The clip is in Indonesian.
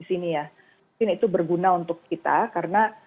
mungkin itu berguna untuk kita karena